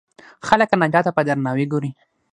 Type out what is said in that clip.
خلک کاناډا ته په درناوي ګوري.